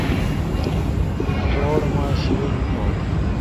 ٹراوٹ ماش شیدل اُو می ہودی۔